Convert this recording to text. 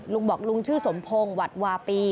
ลุงบอกลุงชื่อสมพงศ์หวัดวาปี